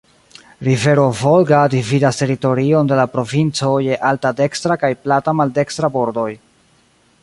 Rivero Volga dividas teritorion de la provinco je alta dekstra kaj plata maldekstra bordoj.